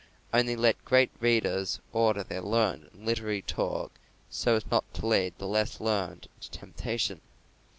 Only, let great readers order their learned and literary talk so as not to lead the less learned into temptation.